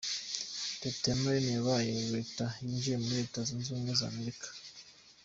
Leta ya Maine yabaye leta ya yinjiye muri Leta zunze ubumwe za Amerika.